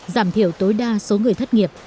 giảm thiểu tối đa số người thất nghiệp